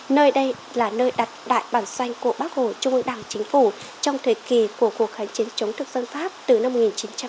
nơi đây là nơi đặt đại bản xoanh của bác hồ trung ương đảng chính phủ trong thời kỳ của cuộc kháng chiến chống thực dân pháp từ năm một nghìn chín trăm năm mươi ba đến năm một nghìn chín trăm năm mươi bốn